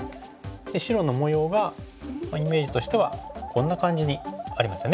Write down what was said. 白の模様がイメージとしてはこんな感じにありますよね。